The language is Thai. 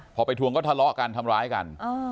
พอไปทวงก็ทะเลาะกันทำร้ายกัน